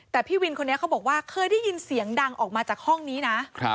แต่พี่วินคนนี้เขาบอกว่าเคยได้ยินเสียงดังออกมาจากห้องนี้นะ